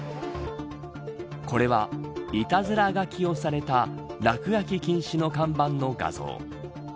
これは、いたずら書きをされた落書き禁止の看板の画像。